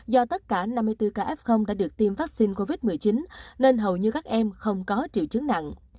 do tất cả năm mươi bốn kf đã được tiêm vaccine covid một mươi chín nên hầu như các em không có triệu chứng nặng